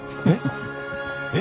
えっ？